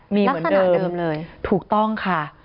มีเหมือนเดิมลักษณะเดิมเลยถูกต้องค่ะ